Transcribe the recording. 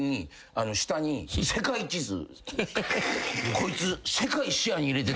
こいつ。